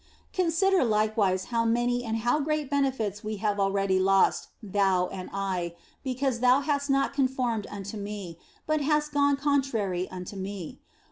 Consider likewise how many and how great benefits we have already lost, thou and I, because thou hast not con formed unto me, but hast gone contrary unto me.